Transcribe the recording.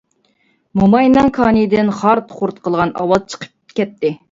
موماينىڭ كانىيىدىن خارت-خۇرت قىلغان ئاۋاز چىقىپ كەتتى.